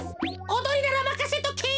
おどりならまかせとけ。